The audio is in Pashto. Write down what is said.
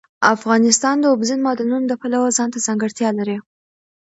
افغانستان د اوبزین معدنونه د پلوه ځانته ځانګړتیا لري.